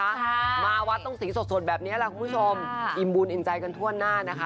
ค่ะมาวัดต้องสีสดสดแบบเนี้ยแหละคุณผู้ชมอิ่มบุญอิ่มใจกันทั่วหน้านะคะ